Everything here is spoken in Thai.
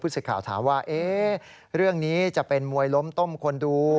สิทธิ์ข่าวถามว่าเรื่องนี้จะเป็นมวยล้มต้มคนดู